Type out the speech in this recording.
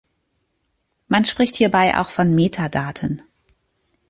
Man spricht hierbei auch von Metadaten.